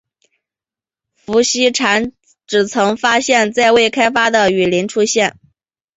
孵溪蟾只曾发现在未开发的雨林出现。